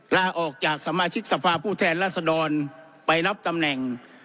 ลาออกจากสมาชิกสภาพผู้แทนรัศดรไปรับตำแหน่ง